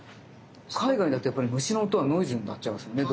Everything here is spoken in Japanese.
海外だとやっぱり虫の音はノイズになっちゃいますよね